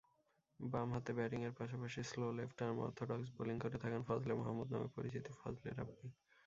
বামহাতে ব্যাটিংয়ের পাশাপাশি স্লো লেফট-আর্ম অর্থোডক্স বোলিং করে থাকেন ফজলে মাহমুদ নামে পরিচিত ফজলে রাব্বি।